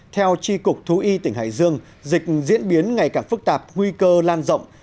theo tri cục thú y tỉnh hải dương dịch diễn biến ngày càng phức tạp nguy cơ lan rộng